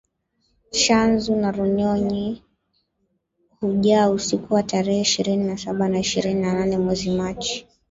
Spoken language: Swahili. Tchanzu na Runyonyi hujaa usiku wa tarehe ishirni na saba na ishirini na nane mwezi machi